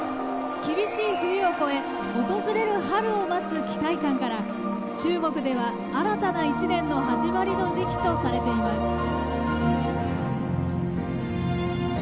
厳しい冬を越え訪れる春を待つ期待感から中国では新たな一年の始まりの時期とされています。